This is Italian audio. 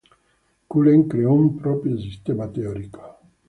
Cullen creò un proprio sistema teorico.